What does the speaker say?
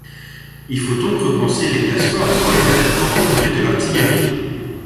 Il faut donc repenser les places fortes en les adaptant aux progrès de l’artillerie.